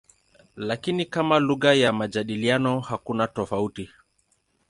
Lakini kama lugha ya majadiliano hakuna tofauti.